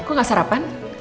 kok gak sarapan